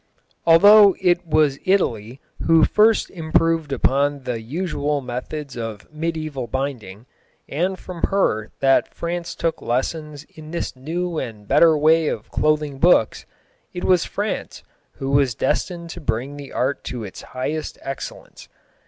Although it was Italy who first improved upon the usual methods of mediæval binding, and from her that France took lessons in this new and better way of clothing books, it was France who was destined to bring the art to its highest excellence.